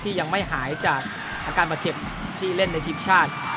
ที่ยังไม่หายจากอาการประเทศที่เล่นในชีพชาติ